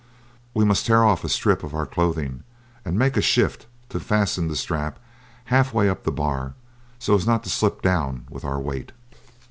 We must tear off a strip of our clothing and make a shift to fasten the strap half way up the bar so as not to slip down with our weight."